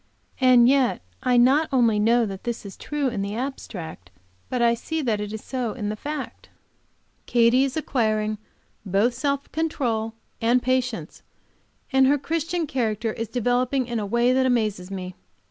And yet I not only know that is true in the abstract, but I see that it is so in the fact. Katy is acquiring both self control and patience and her Christian character is developing in a way that amazes me.